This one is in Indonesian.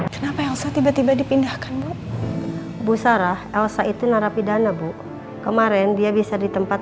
kenapa elsa tiba tiba dipindahkan bu sarah elsa itu narapidana bu kemarin dia bisa di tempat